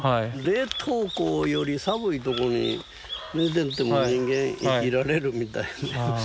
冷凍庫より寒いとこに寝てても人間生きられるみたいで。